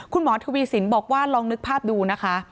คุณหมอทวีสินบอกว่าลองนึกภาพดูนะคะ